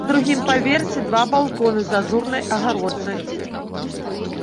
На другім паверсе два балконы з ажурнай агароджай.